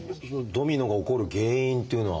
ドミノが起こる原因っていうのは。